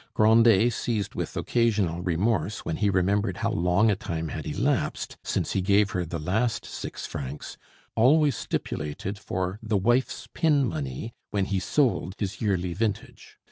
Grandet, seized with occasional remorse when he remembered how long a time had elapsed since he gave her the last six francs, always stipulated for the "wife's pin money" when he sold his yearly vintage.